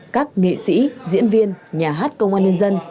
các nghệ sĩ diễn viên nhà hát công an nhân dân